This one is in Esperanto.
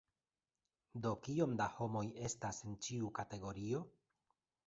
Do kiom da homoj estas en ĉiu kategorio?